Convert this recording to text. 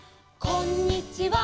「こんにちは」